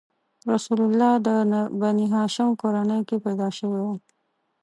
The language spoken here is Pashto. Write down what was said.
رسول الله د بنیهاشم کورنۍ کې پیدا شوی و.